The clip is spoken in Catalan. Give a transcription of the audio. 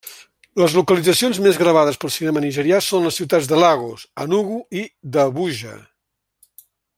Les localitzacions més gravades pel cinema nigerià són les ciutats de Lagos, Enugu i d'Abuja.